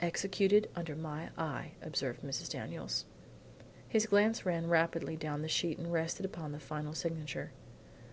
"Executed under my eye," observed Mrs. Daniels. His glance ran rapidly down the sheet and rested upon the final signature.